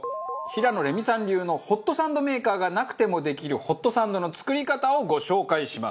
平野レミさん流のホットサンドメーカーがなくてもできるホットサンドの作り方をご紹介します。